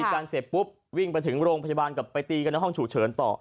กันเสร็จปุ๊บวิ่งไปถึงโรงพยาบาลกลับไปตีกันในห้องฉุกเฉินต่อ